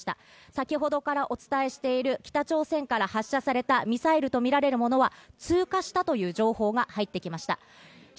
先ほどからお伝えしている、北朝鮮から発射されたミサイルとみられるものは通過したという情報が入ってきました。